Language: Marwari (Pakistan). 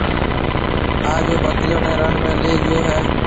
او آج ٻڪرِيون نَي رڻ ۾ ليَ گيو هيَ۔